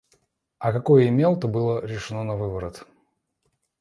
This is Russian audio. А какое имел, то было решено навыворот.